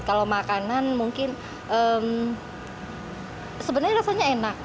kalau makanan mungkin sebenarnya rasanya enak